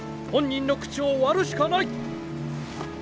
本人の口を割るしかない。